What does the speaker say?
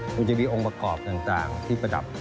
มันจะมีองค์ประกอบต่างที่ประดับ